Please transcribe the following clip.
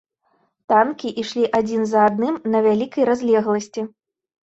Танкі ішлі адзін за адным на вялікай разлегласці.